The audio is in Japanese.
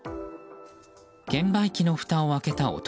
券売機のふたを開けた男。